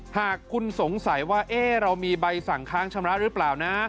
หากคุณสงสัยว่าเรามีใบสั่งค้างชำระหรือเปล่านะ